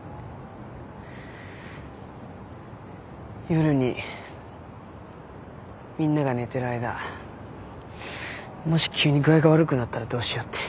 夜にみんなが寝てる間もし急に具合が悪くなったらどうしようって。